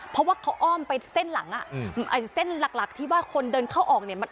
เพราะว่าเขาอ้อมไปเส้นหลังอ่ะเส้นหลักหลักที่ว่าคนเดินเข้าออกเนี่ย